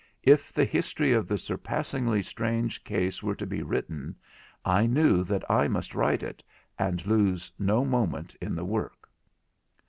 If the history of the surpassingly strange case were to be written, I knew that I must write it, and lose no moment in the work.